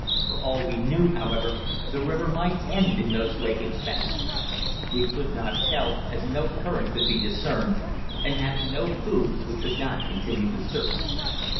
For all we knew, however, the river might end in those lake expansions; we could not tell, as no current could be discerned, and having no food we could not continue the search.